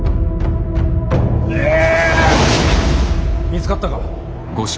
見つかったか。